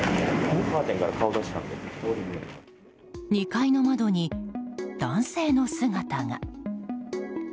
２階の窓に男性の姿が。